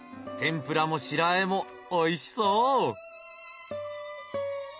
天ぷらも白和えもおいしそう！